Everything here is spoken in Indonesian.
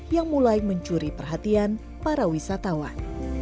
yang mulai mencuri perhatian para wisatawan